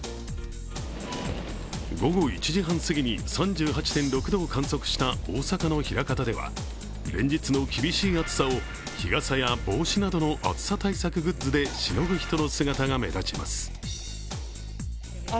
午後１時半過ぎに３８．６度を観測した大阪の枚方では連日の厳しい暑さを日傘や帽子などの暑さ対策グッズでしのぐ人の姿が目立ちます。